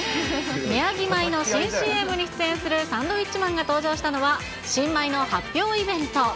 宮城米の新ＣＭに出演するサンドウィッチマンが登場したのは、新米の発表イベント。